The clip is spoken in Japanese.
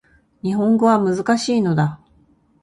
日本語は難しいのだ